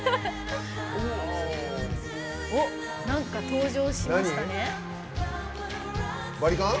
なんか登場しましたね。